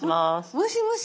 もしもし。